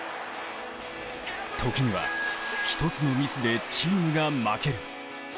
時には、一つのミスでチームが負ける。